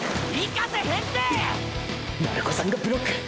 鳴子さんがブロック！！